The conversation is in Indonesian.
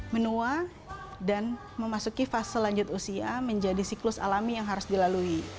menua dan memasuki fase lanjut usia menjadi siklus alami yang harus dilalui